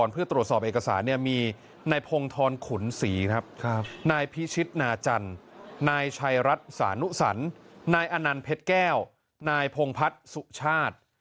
พงพัฒน์สุชาติ